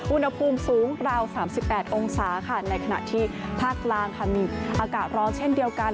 อุณหภูมิสูงราว๓๘องศาค่ะในขณะที่ภาคกลางค่ะมีอากาศร้อนเช่นเดียวกัน